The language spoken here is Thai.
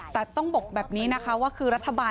แต่ต้องบอกแบบนี้นะคะว่าคือรัฐบาล